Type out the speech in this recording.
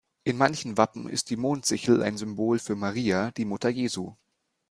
In manchen Wappen ist die Mondsichel ein Symbol für Maria, die Mutter Jesu.